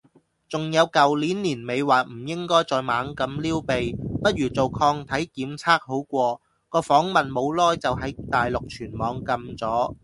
仲有舊年年尾話唔應該再猛咁撩鼻，不如做抗體檢測好過，個訪問冇耐就喺大陸全網禁咗